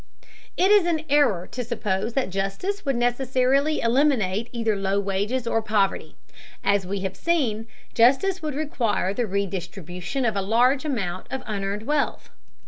It is an error to suppose that justice would necessarily eliminate either low wages or poverty. As we have seen, justice would require the redistribution of a large amount of unearned wealth.